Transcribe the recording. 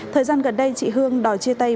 thời gian gần đây chị hương đòi chia tay